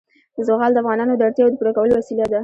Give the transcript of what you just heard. زغال د افغانانو د اړتیاوو د پوره کولو وسیله ده.